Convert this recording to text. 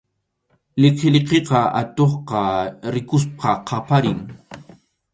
Liqiliqiqa atuqta rikuspas qaparin.